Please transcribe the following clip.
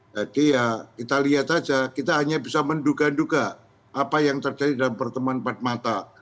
jadi ya kita lihat aja kita hanya bisa menduga duga apa yang terjadi dalam pertemuan empat mata